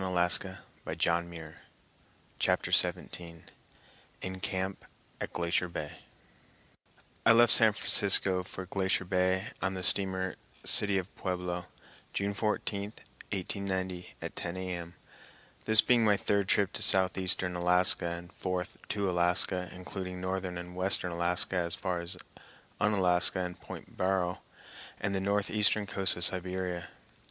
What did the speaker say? Part III The Trip of 1890 Chapter XVII In Camp at Glacier Bay I left San Francisco for Glacier Bay on the steamer City of Pueblo, June 14, 1890, at 10 A.M., this being my third trip to southeastern Alaska and fourth to Alaska, including northern and western Alaska as far as Unalaska and Pt. Barrow and the northeastern coast of Siberia.